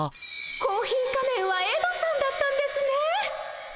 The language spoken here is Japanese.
コーヒー仮面はエドさんだったんですね。